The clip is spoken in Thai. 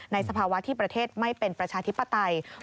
สภาวะที่ประเทศไม่เป็นประชาธิปไตย